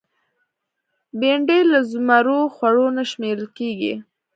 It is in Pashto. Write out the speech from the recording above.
بېنډۍ له زمرو خوړو نه شمېرل کېږي